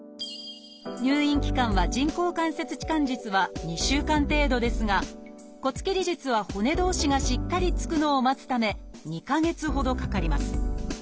入院期間は人工関節置換術は２週間程度ですが骨切り術は骨同士がしっかりつくのを待つため２か月ほどかかります。